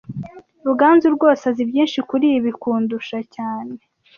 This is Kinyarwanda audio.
Ruganzu rwose azi byinshi kuri ibi kundusha cyane